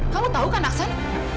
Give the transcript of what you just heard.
kamu tahu kan aksan